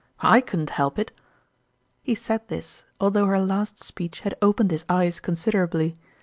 / couldn't help it !" He said this, although her last speech had opened his eyes considerably.